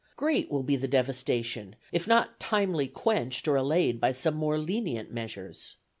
Great will be the devastation, if not timely quenched or allayed by some more lenient measures.